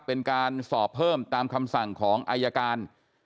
เป็นการสอบเพิ่มตามคำสั่งของอายการ